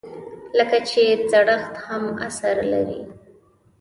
لکه چې زړښت هم اثر لري.